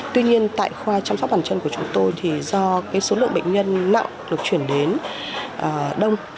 tuy nhiên tại khoa chăm sóc bản chân của chúng tôi thì do số lượng bệnh nhân nặng được chuyển đến đông